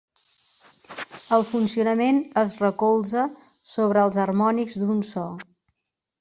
El funcionament es recolza sobre els harmònics d'un so.